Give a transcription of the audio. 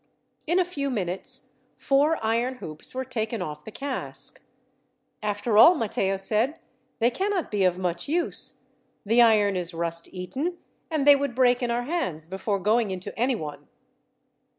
In a few minutes, four iron hoops were taken off the cask. "After all," Matteo said, "they cannot be of much use. The iron is rust eaten, and they would break in our hands before going into any one."